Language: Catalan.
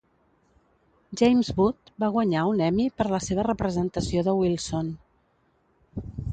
James Wood va guanyar un Emmy per la seva representació de Wilson.